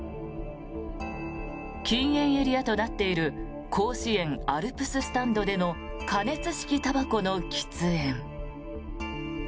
禁煙エリアとなっている甲子園アルプススタンドでの加熱式たばこの喫煙。